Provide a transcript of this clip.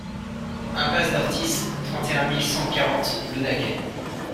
IMPASSE DORTIS, trente et un mille cent quarante Launaguet